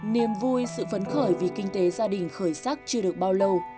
niềm vui sự phấn khởi vì kinh tế gia đình khởi sắc chưa được bao lâu